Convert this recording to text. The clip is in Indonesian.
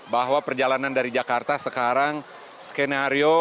bahwa perjalanan dari jakarta sekarang skenario